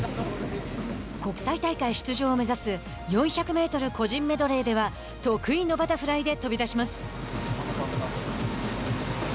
国際大会出場を目指す４００メートル個人メドレーでは得意のバタフライで飛び出します。